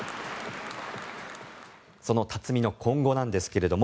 その辰巳の今後なんですけれども